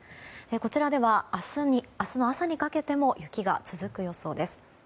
こちらでは、明日の朝にかけても雪が続く予想です。